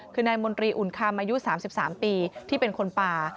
คือนายมนตรีอุ่นคำอายุ๓๓ปีที่เป็นคนป่า